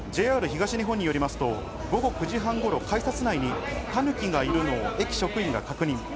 ＪＲ東日本によりますと午後９時半頃、改札内にタヌキがいるのを駅職員が確認。